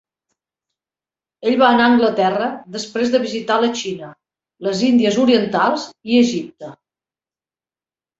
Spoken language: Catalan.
Ell va anar a Anglaterra després de visitar la Xina, les Índies Orientals i Egipte.